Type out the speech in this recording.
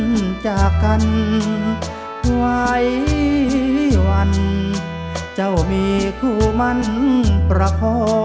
จากกันไว้วันเจ้ามีคู่มันประคอ